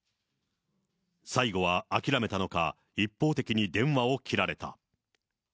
最後は諦めたのか、一方的に電話を切られた。